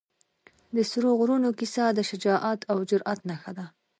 د سرو غرونو کیسه د شجاعت او جرئت نښه ده.